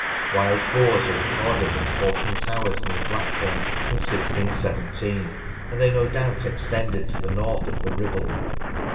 Wild boars are recorded at Hoshton Towers near Blackburn in 1 6 1 7, and they no doubt extended to the north of the Ribble.